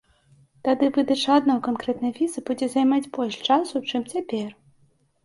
Тады выдача адной канкрэтнай візы будзе займаць больш часу, чым цяпер.